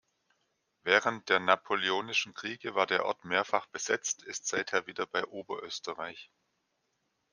Während der Napoleonischen Kriege war der Ort mehrfach besetzt, ist seither wieder bei Oberösterreich.